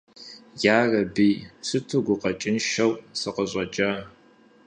Ярэби, сыту гукъэкӀыншэу сыкъыщӀэкӀа.